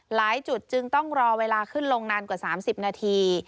หลายจุดจึงต้องรอเวลาขึ้นลงนานกว่า๓๐นาที